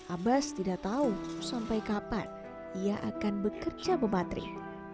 abas tidak tahu sampai kapan ia akan bekerja mematri